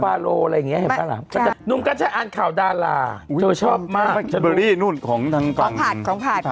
อะไระทำเขากนเมื่อก่อนศาสนาพุทธ